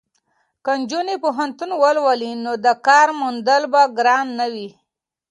که نجونې پوهنتون ولولي نو د کار موندل به ګران نه وي.